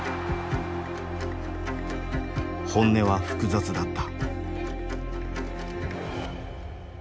本音は複雑だった。